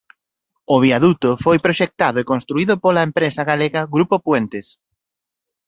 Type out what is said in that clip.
O viaduto foi proxectado e construído pola empresa galega Grupo Puentes.